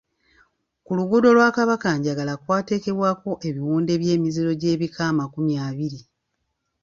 Ku luguudo lwa Kabakanjagala kwakateekebwako ebiwunde by’emiziro gy'ebika amakumi abiri.